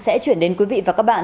sẽ chuyển đến quý vị và các bạn